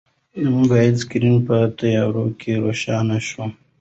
د موبایل سکرین په تیاره کې روښانه شو.